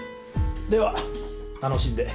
では楽しんで。